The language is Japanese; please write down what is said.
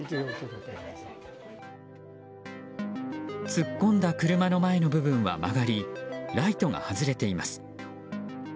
突っ込んだ車の前の部分は曲がりライトが外れています。